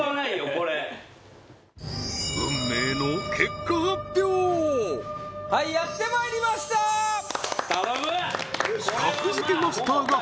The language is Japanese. これ運命のはいやってまいりました頼む！